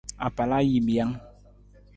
Apalajiimijang.